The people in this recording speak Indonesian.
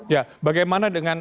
ya bagaimana dengan